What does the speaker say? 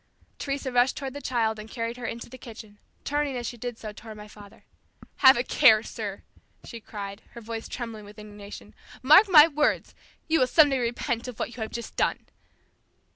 Teresa rushed toward the child and carried her into the kitchen, turning as she did so toward my father "Have a care, sir," she cried, her voice trembling with indignation. "Mark my words, you will repent some day of what you have just done."